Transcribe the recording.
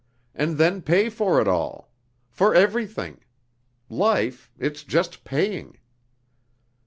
And then pay for it all. For everything. Life, it's just paying."